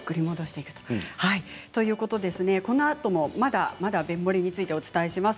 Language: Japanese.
このあとも、まだ便もれについてお伝えします。